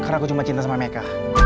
karena aku cuma cinta sama meka